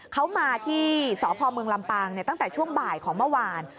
เขามาที่สพมลำปางตั้งแต่ช่วงบ่ายของเมื่อวาน